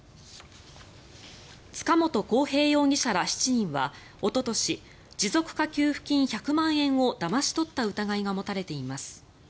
塚本晃平容疑者ら７人はおととし持続化給付金１００万円をだまし取った疑いが持たれています。